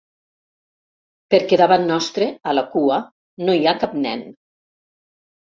Perquè davant nostre, a la cua, no hi ha cap nen.